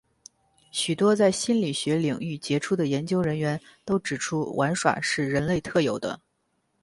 许多在心理学领域杰出的研究人员都指出玩耍是人类特有的。